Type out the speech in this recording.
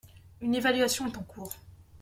Une évaluation est en cours.